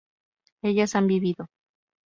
ellas han vivido